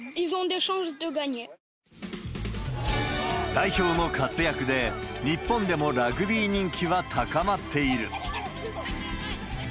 代表の活躍で、日本でもラグビー人気は高まっている。